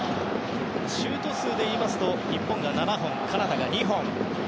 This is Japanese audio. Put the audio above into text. シュート数でいいますと日本が７本、カナダが２本。